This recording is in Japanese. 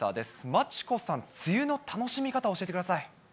真知子さん、梅雨の楽しみ方を教えてください。